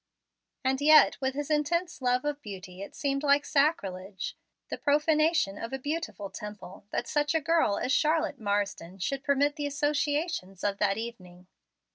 And yet with his intense love of beauty it seemed like sacrilege the profanation of a beautiful temple that such a girl as Charlotte Marsden should permit the associations of that evening.